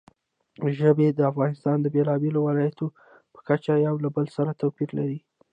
ژبې د افغانستان د بېلابېلو ولایاتو په کچه یو له بل سره توپیر لري.